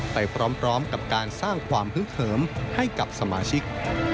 ไปพร้อมกับการสร้างความฮึกเหิมให้กับสมาชิก